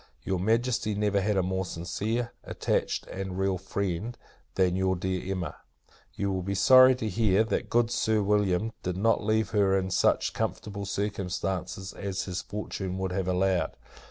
Your Majesty never had a more sincere, attached, and real friend, than your dear Emma. You will be sorry to hear, that good Sir William did not leave her in such comfortable circumstances as his fortune would have allowed.